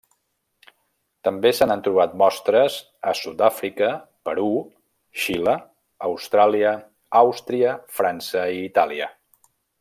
També se n'han trobat mostres a Sud-àfrica, Perú, Xile, Austràlia, Àustria, França i Itàlia.